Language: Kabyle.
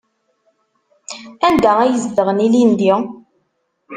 Anda ay zedɣen ilindi?